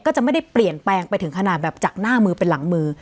ก็จะไม่ได้เปลี่ยนแปลงไปถึงขนาดแบบจากหน้ามือเป็นหลังมือ